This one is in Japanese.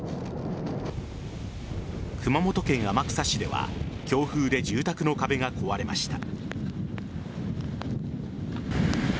熊本県天草市では強風で住宅の壁が壊れました。